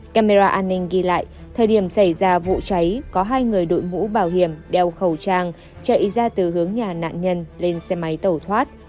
camera an ninh ghi lại thời điểm xảy ra vụ cháy có hai người đội mũ bảo hiểm đeo khẩu trang chạy ra từ hướng nhà nạn nhân lên xe máy tẩu thoát